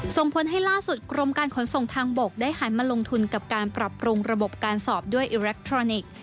ส่งผลให้ล่าสุดกรมการขนส่งทางบกได้หันมาลงทุนกับการปรับปรุงระบบการสอบด้วยอิเล็กทรอนิกส์